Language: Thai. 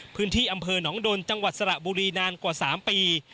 พื้นที่อำเภอหนองโดนจังหวัดสระบุรีนานกว่า๓ปี